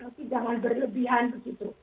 tapi jangan berlebihan begitu